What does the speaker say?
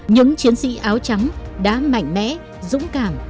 những chiến sĩ áo trắng đã mạnh mẽ dũng cảm